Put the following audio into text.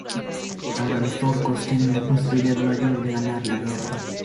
Ahora los Orcos tienen una posibilidad mayor de ganar la guerra.